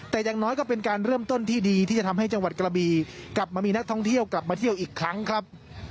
แต่อย่างน้อยก็เป็นการเริ่มต้นที่ดีที่จะทำให้จังหวัดกระบีกลับมามีนักท่องเที่ยวกลับมาเที่ยวอีกครั้งครับ